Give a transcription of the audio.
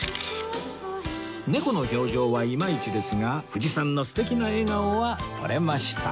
猫の表情はいまいちですが藤さんの素敵な笑顔は撮れました